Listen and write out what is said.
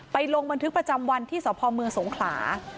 ลงบันทึกประจำวันที่สพเมืองสงขลา